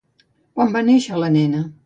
Quan va néixer la nena?